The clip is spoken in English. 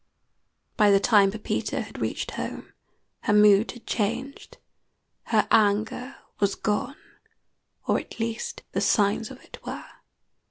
By the time Pepita had reached home her mood had changed her anger was gone, or at least the signs of it were.